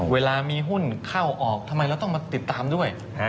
เวลามีหุ้นเข้าออกทำไมเราต้องมาติดตามด้วย